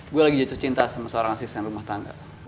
gue lagi jatuh cinta sama seorang asisten rumah tangga